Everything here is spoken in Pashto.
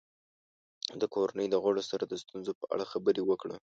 د کورنۍ د غړو سره د ستونزو په اړه خبرې وکړه.